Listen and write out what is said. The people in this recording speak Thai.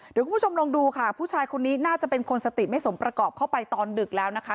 เดี๋ยวคุณผู้ชมลองดูค่ะผู้ชายคนนี้น่าจะเป็นคนสติไม่สมประกอบเข้าไปตอนดึกแล้วนะคะ